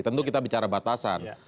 tentu kita bicara batasan